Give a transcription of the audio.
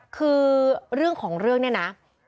คือเรื่องของเรื่องเนี่ยนะ